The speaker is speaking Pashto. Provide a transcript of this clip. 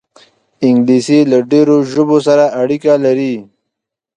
انګلیسي له ډېرو ژبو سره اړیکه لري